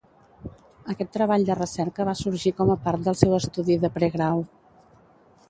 Aquest treball de recerca va sorgir com a part del seu estudi de pregrau.